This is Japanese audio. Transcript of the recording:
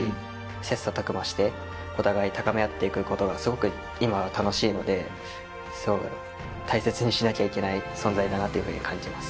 切磋琢磨してお互い高め合っていくことがすごく今は楽しいのですごく大切にしなきゃいけない存在だなと感じます。